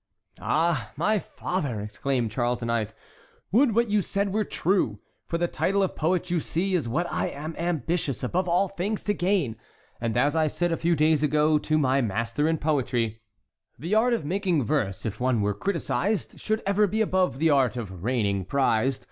"Ah! my father!" exclaimed Charles IX.; "would what you said were true! For the title of poet, you see, is what I am ambitious, above all things, to gain; and as I said a few days ago to my master in poetry: "'The art of making verse, if one were criticised, Should ever be above the art of reigning prized.